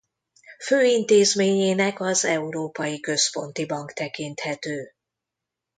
Fő intézményének az Európai Központi Bank tekinthető.